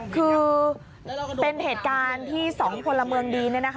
คือเป็นเหตุการณ์ที่สองพลเมืองดีเนี่ยนะคะ